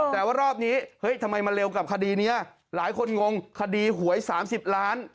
แต่ว่ารอบนี้เฮ้ยทำไมมาเร็วกับคดีนี้หลายคนงงคดีหวย๓๐ล้าน